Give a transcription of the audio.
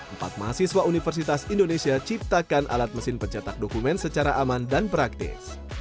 empat mahasiswa universitas indonesia ciptakan alat mesin pencetak dokumen secara aman dan praktis